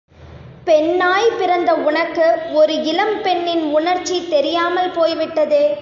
பெண்ணாய் பிறந்த உனக்கு ஒரு இளம் பெண்ணின் உணர்ச்சி தெரியாமல் போய்விட்டதே!